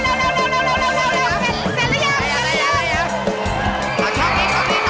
โอเคครั้งแรกโอเคมั้ย